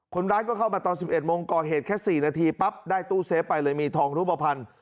คนร้ายก็เข้ามาตอน๑๑โมงก่อเหตุแค่๔นาทีปั๊บได้ตู้เซฟไปเลยมีทองรูปภัณฑ์